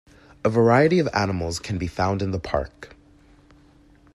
A variety of animals can be found in the park.